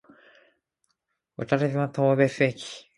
渡島当別駅